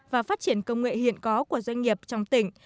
và phát triển công nghệ hiện có của doanh nghiệp trong tỉnh